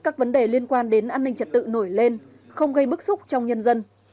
các vấn đề liên quan đến an ninh trật tự nổi lên không gây bức xúc trong nhân dân